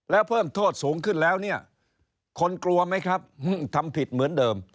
แล้วเพิ่มโทษสูงขึ้นแล้วเนี่ยคนกลัวไหมครับทำผิดเหมือนเดิม